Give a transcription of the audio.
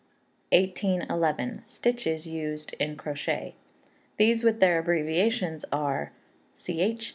1811. Stitches used in Crochet. These, with their abbreviations, are: Ch.